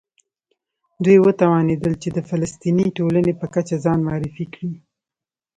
دوی وتوانېدل چې د فلسطیني ټولنې په کچه ځان معرفي کړي.